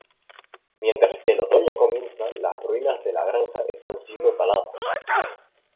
Mientras que el otoño comienza, las ruinas de la granja están siendo taladas.